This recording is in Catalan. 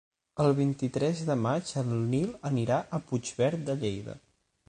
El vint-i-tres de maig en Nil anirà a Puigverd de Lleida.